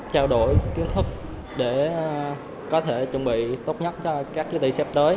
trao đổi kiến thức để có thể chuẩn bị tốt nhất cho các kế tỷ sắp tới